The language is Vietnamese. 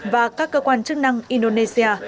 và các cơ quan chức năng indonesia